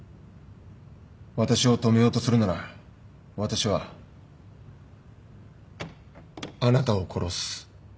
私を止めようとするなら私はあなたを殺す。